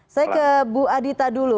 saya ke bu adita dulu